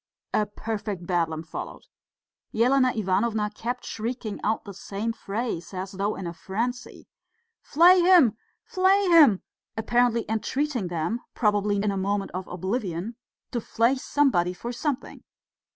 A perfect Bedlam followed. Elena Ivanovna kept shrieking out the same phrase, as though in a frenzy, "Flay him! flay him!" apparently entreating them probably in a moment of oblivion to flay somebody for something.